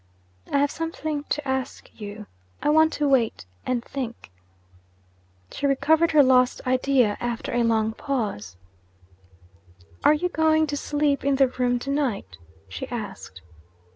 'I have something to ask you. I want to wait and think.' She recovered her lost idea, after a long pause. 'Are you going to sleep in the room to night?' she asked.